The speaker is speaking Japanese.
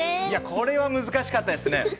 これは難しかったですね。